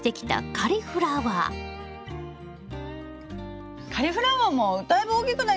カリフラワーもだいぶ大きくなりましたよね。